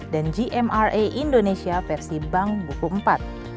dan gmra indonesia versi bank buku iv